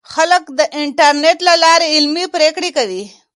خلک د انټرنیټ له لارې علمي پریکړې کوي.